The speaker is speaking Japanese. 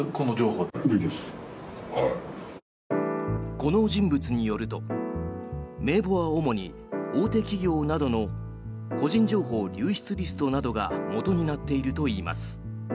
この人物によると名簿は主に、大手企業などの個人情報流出リストなどがもとになっているといいます。